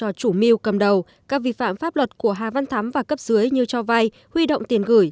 với vai trò chủ mưu cầm đầu các vi phạm pháp luật của hà văn thắm và cấp dưới như cho vay huy động tiền gửi